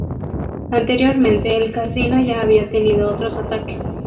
Anteriormente el casino ya había tenido otros ataques.